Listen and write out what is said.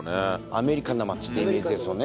アメリカンな街っていうイメージですよね。